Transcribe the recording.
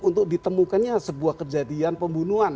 untuk ditemukannya sebuah kejadian pembunuhan